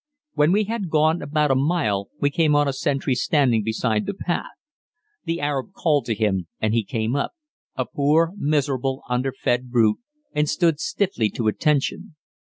When we had gone about a mile we came on a sentry standing beside the path. The Arab called to him and he came up, a poor miserable underfed brute, and stood stiffly to attention.